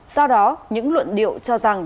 do đó những luận điệu cho rằng